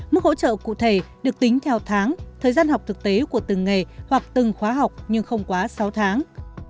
mức hỗ trợ cụ thể được tính theo tháng thời gian học thực tế của từng nghề hoặc từng khóa học nhưng không quá sáu tháng